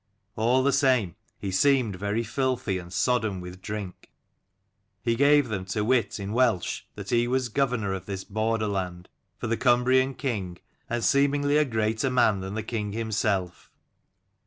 All the same he seemed very filthy, and sodden with drink. He gave them to wit in Welsh that he was governor of this border land for the Cumbrian king, and seemingly a greater man than the king himself.